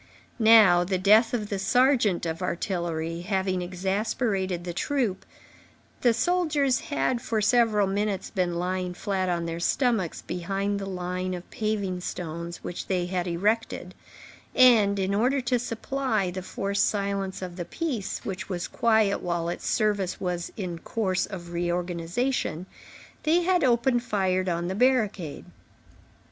Now, the death of the sergeant of artillery having exasperated the troop, the soldiers had, for several minutes, been lying flat on their stomachs behind the line of paving stones which they had erected, and, in order to supply the forced silence of the piece, which was quiet while its service was in course of reorganization, they had opened fire on the barricade.